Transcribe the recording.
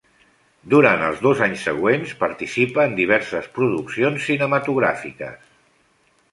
Durant els dos anys següents participa en diverses produccions cinematogràfiques.